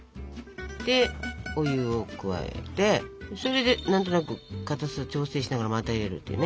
でお湯を加えてそれで何となくかたさ調整しながらまた入れるっていうね。